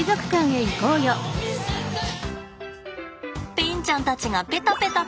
ペンちゃんたちがペタペタと。